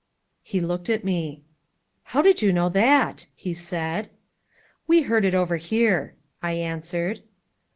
He looked at me. "How did you know that?" he said. "We heard it over here," I answered.